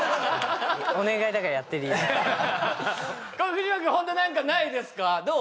藤牧君ホント何かないですかどう？